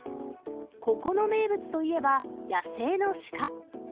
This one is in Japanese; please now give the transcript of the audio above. ここの名物といえば、野生の鹿。